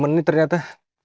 udah tiga puluh menit ternyata